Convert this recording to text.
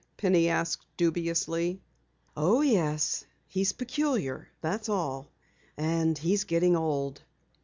Penny asked dubiously. "Oh, yes. He's peculiar, that's all. And he's getting old."